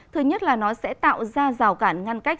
thứ nhất là nó sẽ tạo ra rào cản ngăn cách